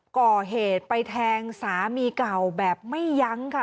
ก่อเหตุไปแทงสามีเก่าแบบไม่ยั้งค่ะ